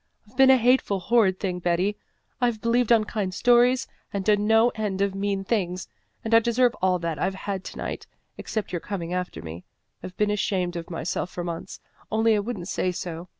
I've been a hateful, horrid thing, Betty. I've believed unkind stories and done no end of mean things, and I deserve all that I've had to night, except your coming after me. I've been ashamed of myself for months, only I wouldn't say so.